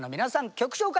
曲紹介